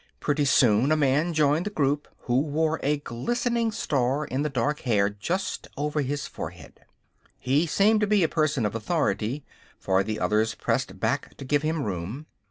Pretty soon a man joined the group who wore a glistening star in the dark hair just over his forehead. He seemed to be a person of authority, for the others pressed back to give him room.